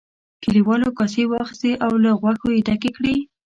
کليوالو کاسې واخیستې او له غوښو یې ډکې کړې.